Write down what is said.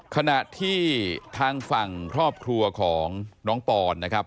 ขณะที่ทางฝั่งครอบครัวของน้องปอนนะครับ